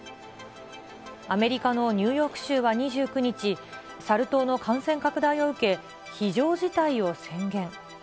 アメリカのニューヨーク州は２９日、サル痘の感染拡大を受け、非常事態を宣言。